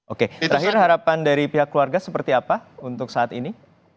oke terakhir harapan dari pihak keluarga seperti apa untuk saat ini